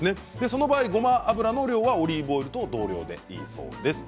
その場合、ごま油の量はオリーブオイルと同量でいいそうです。